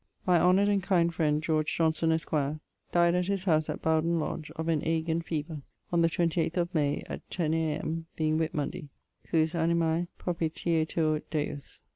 My honoured and kind friend George Johnson, esq., died at his house at Bowdon lodge, of an ague and feaver on the 28th of May at 10ʰ A.M., being Whit munday, cujus animae propitietur Deus.